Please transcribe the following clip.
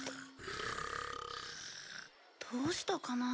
どうしたかなあ？